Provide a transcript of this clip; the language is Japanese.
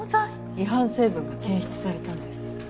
違反成分が検出されたんです。